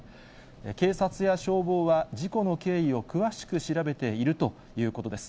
警察や消防は事故の経緯を詳しく調べているということです。